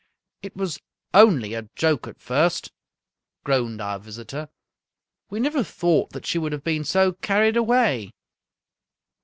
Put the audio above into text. " It was only a joke at first," groaned our visitor. " We never thought that she would have been so carried away."